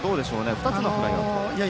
２つのフライアウト。